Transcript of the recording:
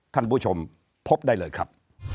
ท่านผู้ชมพบได้เลยครับ